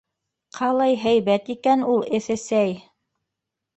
Ҡалай һәйбәт икән ул эҫе сәй!